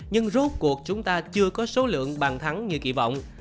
nhưng rút cuộc chúng ta chưa có số lượng bàn thắng như kỳ vọng